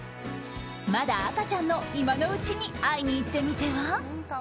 まだ赤ちゃんの今のうちに会いに行ってみては。